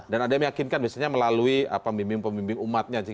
dan ada yang meyakinkan biasanya melalui pembimbing pembimbing umatnya